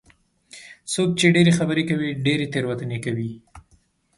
څوک چې ډېرې خبرې کوي، ډېرې تېروتنې کوي.